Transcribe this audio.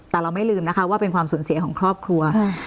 แต่เราไม่ลืมนะคะว่าเป็นความสูญเสียของครอบครัว